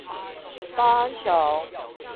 八安橋